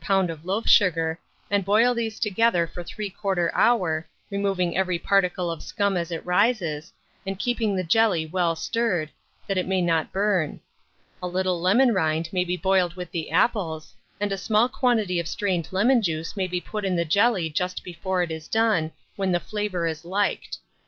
of loaf sugar, and boil these together for 3/4 hour, removing every particle of scum as it rises, and keeping the jelly well stirred, that it may not burn. A little lemon rind may be boiled with the apples, and a small quantity of strained lemon juice may be put in the jelly just before it is done, when the flavour is liked.